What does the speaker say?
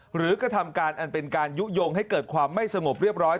กระทำการอันเป็นการยุโยงให้เกิดความไม่สงบเรียบร้อย